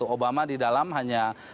obama di dalam hanya